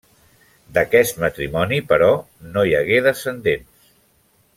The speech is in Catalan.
D'aquest matrimoni, però, no hi hagué descendents.